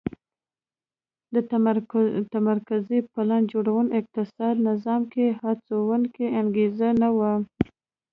د متمرکزې پلان جوړونې اقتصادي نظام کې هڅوونکې انګېزه نه وه